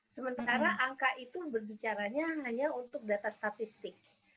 sementara angka itu berbicara nya hanya untuk data statistik